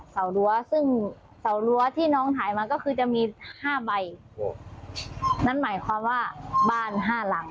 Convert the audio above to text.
สารั้วซึ่งเสารั้วที่น้องถ่ายมาก็คือจะมีห้าใบนั่นหมายความว่าบ้านห้าหลัง